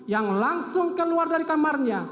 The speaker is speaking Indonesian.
yang langsung keluar dari kamarnya